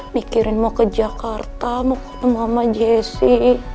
mikirin mau ke jakarta mau ketemu ama jessy